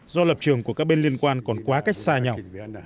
do lập trường của các bên liên quan còn quá cách xa nhau